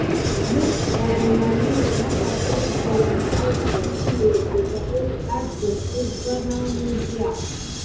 Məzgaw nane matagərgəw gay va métuwé dəga adəf əsva naw muwslya.